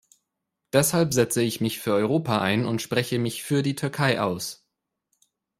Deshalb setze ich mich für Europa ein und spreche mich für die Türkei aus.